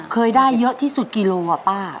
เคยได้เยอะที่สุดกิโลอ่ะป้า